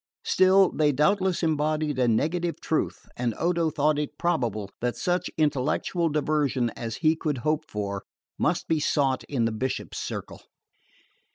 Still, they doubtless embodied a negative truth, and Odo thought it probable that such intellectual diversion as he could hope for must be sought in the Bishop's circle.